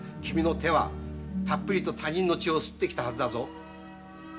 君の手はたっぷりと他人の血を吸ってきたはずだぞ。